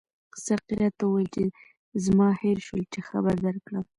ساقي راته وویل چې زما هېر شول چې خبر درکړم.